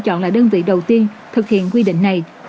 chọn là đơn vị đầu tiên thực hiện quy định này